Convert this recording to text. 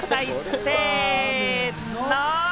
せの！